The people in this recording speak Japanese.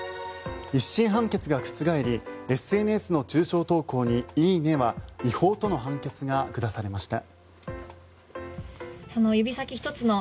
１審判決が覆りＳＮＳの中傷投稿に「いいね」は違法との判決が下されました。